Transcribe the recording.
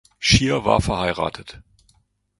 Schier war verheiratet.